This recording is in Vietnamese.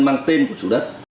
mang tên của chủ đất